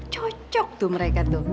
cocok tuh mereka tuh